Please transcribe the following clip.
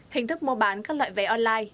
hình thức mua bán các loại vé online